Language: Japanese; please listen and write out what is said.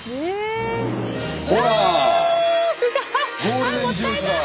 すごい！もったいない！